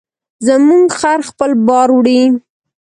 زموږ خر خپل بار وړي.